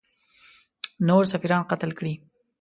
نور سفیران قتل کړي.